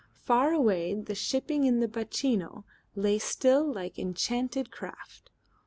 Far away the shipping in the bacino lay still like enchanted craft.